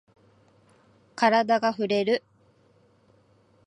カラダがふれる。